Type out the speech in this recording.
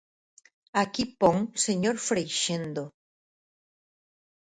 Aquí pon señor Freixendo.